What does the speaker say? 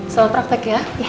selalu praktek ya